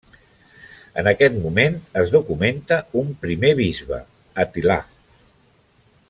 En aquest moment, es documenta un primer bisbe, Atilà.